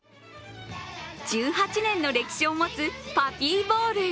１８年の歴史を持つパピーボウル。